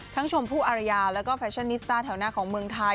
ชมพู่อารยาแล้วก็แฟชั่นนิสต้าแถวหน้าของเมืองไทย